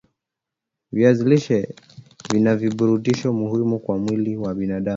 viazi lishe vina virutubisho muhimu kwa mwili wa binadam